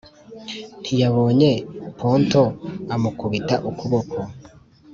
ntiyabonye ponto amukubita ukuboko.